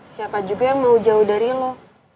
siapa juga yang mau jauh dari lo